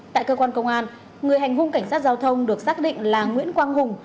tại cơ quan công an người hành hung cảnh sát giao thông được xác định là nguyễn quang hùng